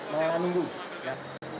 mohon menunggu ya